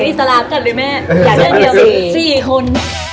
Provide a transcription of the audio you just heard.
อยากเจอเดียว๔คน